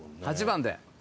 ８番で。